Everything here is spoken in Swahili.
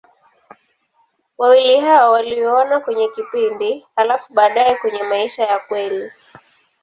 Wawili hao waliona kwenye kipindi, halafu baadaye kwenye maisha ya kweli.